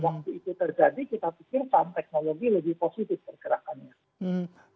waktu itu terjadi kita pikirkan teknologi lebih positif pergerakannya